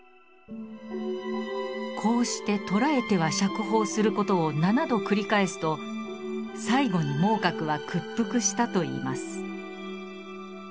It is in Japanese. こうして捕らえては釈放する事を７度繰り返すと最後に孟獲は屈服したといいます。